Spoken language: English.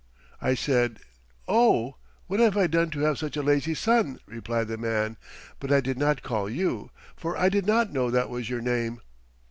"I said, 'Oh, what have I done to have such a lazy son,'" replied the man, "but I did not call you, for I did not know that was your name."